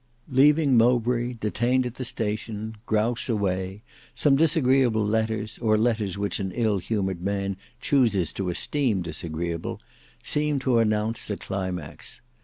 Leaving Mowbray, detained at the station, Grouse away, some disagreeable letters, or letters which an ill humoured man chooses to esteem disagreeable, seemed to announce a climax.